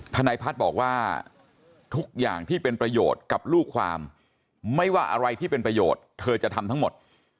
นายพัฒน์บอกว่าทุกอย่างที่เป็นประโยชน์กับลูกความไม่ว่าอะไรที่เป็นประโยชน์เธอจะทำทั้งหมด